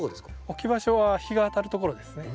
置き場所は日が当たるところですね。